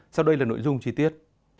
sau đây là nội dung trí tiết